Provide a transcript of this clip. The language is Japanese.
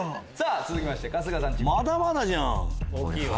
続きまして春日さんチーム。